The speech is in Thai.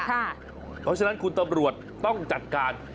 เพราะฉะนั้นคุณตำรวจต้องจัดการ